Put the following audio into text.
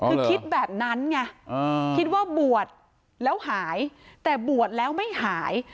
คือคิดแบบนั้นไงคิดว่าบวชแล้วหายแต่บวชแล้วไม่หาย